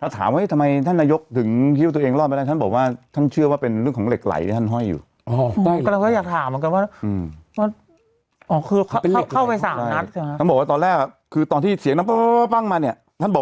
ถ้าถามว่าทำไมท่านนายกถึงฮิ้วตัวเองรอดไปแล้วท่านบอกว่าท่านเชื่อว่าเป็นเรื่องของเหล็กไหลที่ท่านห้อยอยู่